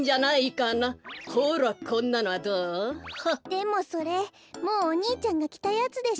でもそれもうお兄ちゃんがきたやつでしょ？